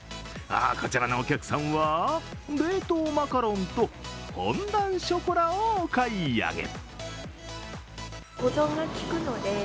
こちらのお客さんは冷凍マカロンとフォンダンショコラをお買い上げ。